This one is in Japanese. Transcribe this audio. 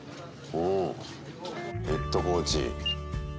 うん、ヘッドコーチ。